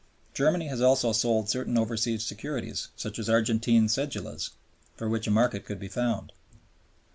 Germany has also sold certain overseas securities, such as Argentine cedulas, for which a market could be found.